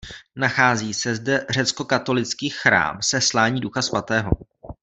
Nachází se zde řeckokatolický chrám Seslání Ducha svatého.